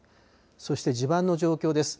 そして地盤の状況です。